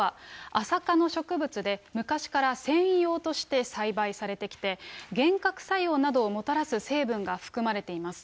アサ科の植物で昔から繊維用として栽培されてきて、幻覚作用などをもたらす成分が含まれています。